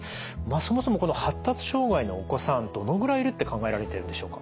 そもそもこの発達障害のお子さんどのぐらいいるって考えられているんでしょうか？